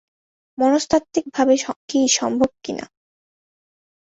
মনস্তাত্ত্বিকভাবে কী সম্ভব কিনা?